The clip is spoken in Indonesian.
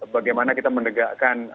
bagaimana kita menegakkan